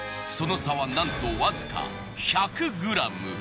その差はなんとわずか１００ｇ。